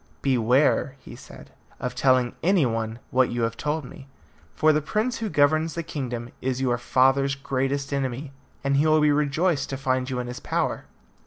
"Beware," he said, "of telling any one what you have told me, for the prince who governs the kingdom is your father's greatest enemy, and he will be rejoiced to find you in his power."